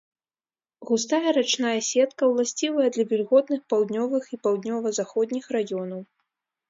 Густая рачная сетка ўласцівая для вільготных паўднёвых і паўднёва-заходніх раёнаў.